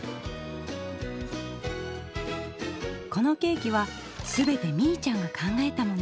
このケーキは全てみいちゃんが考えたもの。